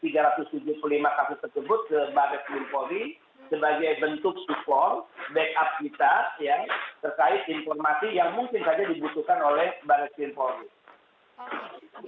lima kali tersebut ke barat pimpori sebagai bentuk supor backup kita yang terkait informasi yang mungkin saja dibutuhkan oleh barat pimpori